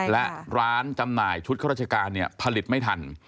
และร้านจำหน่ายชุดข้าราชการเนี่ยผลิตไม่ทัน